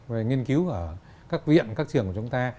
về nghiên cứu ở các viện các trường của chúng ta